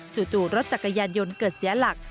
จู่รถจักรยานยนต์เกิดเสียหลัก